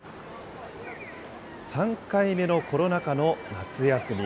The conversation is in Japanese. ３回目のコロナ禍の夏休み。